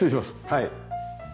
はい。